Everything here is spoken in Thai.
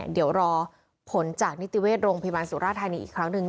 เดี๋ยวรอผลจากนิติเวชโรงพยาบาลสุราธานีอีกครั้งหนึ่ง